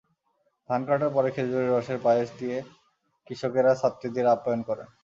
ধান কাটার পরে খেজুরের রসের পায়েস দিয়ে কৃষকেরা ছাত্রীদের অপ্যায়ন করেন।